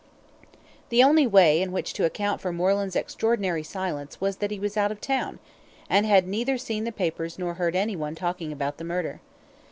The only way in which to account for Moreland's extraordinary silence was that he was out of town, and had neither seen the papers nor heard anyone talking about the murder.